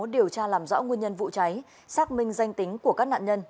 điều tra làm rõ nguyên nhân vụ cháy xác minh danh tính của các nạn nhân